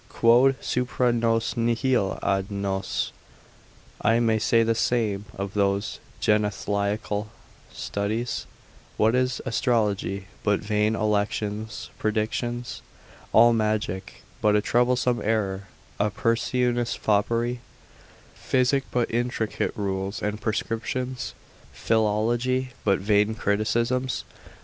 Quod supra nos nihil ad, nos, I may say the same of those genethliacal studies, what is astrology but vain elections, predictions? all magic, but a troublesome error, a pernicious foppery? physic, but intricate rules and prescriptions? philology, but vain criticisms?